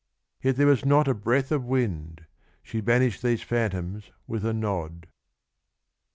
Yet there was not a breath of wind : she banish'd These phantoms with a nod. (III.